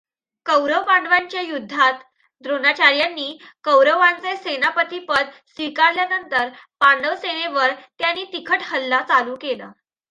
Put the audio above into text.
कौरव पांडवांच्या युद्धात द्रोणाचार्यांनी कौरवांचे सेनापतीपद स्वीकारल्यानंतर पांडवसेनेवर त्यांनी तिखट हल्ला चालू केला.